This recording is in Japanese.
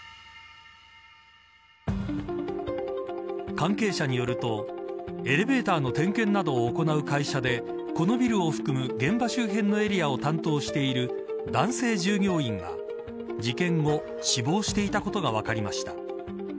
関係者によるとエレベーターの点検などを行う会社でこのビルを含む現場周辺のエリアを担当している男性従業員が、事件後死亡していたことが分かりました。